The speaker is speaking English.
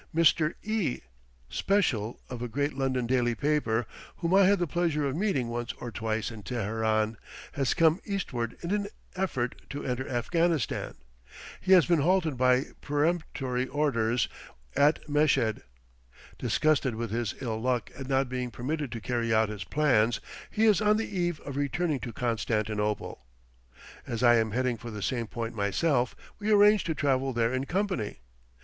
Mr. E , "special" of a great London daily paper, whom I had the pleasure of meeting once or twice in Teheran, has come eastward in an effort to enter Afghanistan. He has been halted by peremptory orders at Meshed. Disgusted with his ill luck at not being permitted to carry out his plans, he is on the eve of returning to Constantinople. As I am heading for the same point myself, we arrange to travel there in company.